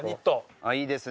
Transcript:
ああいいですね。